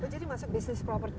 jadi masuk bisnis property